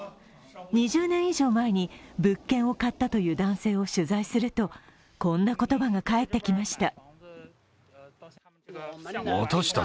２０年以上前に物件を買ったという男性を取材するとこんな言葉が返ってきました。